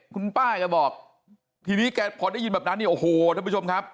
คุณป้าแกบอกทีนี้แกพอได้ยินแบบนั้นเนี่ยโอ้โหท่านผู้ชมครับ